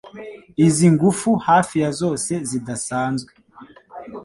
Izi Ingufu hafi ya zose ntidasanzwe